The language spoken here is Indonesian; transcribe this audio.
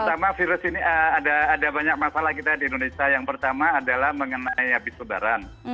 pertama virus ini ada banyak masalah kita di indonesia yang pertama adalah mengenai habis lebaran